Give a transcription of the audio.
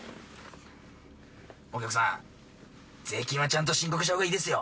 お客さん税金はちゃんと申告した方がいいですよ。